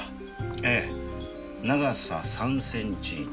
ええ長さ３センチ弱。